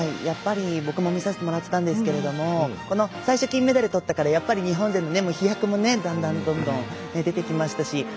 やっぱり僕も見させてもらってたんですけど最初、金メダルとったからやっぱり日本も飛躍もだんだんどんどん出てきましたし。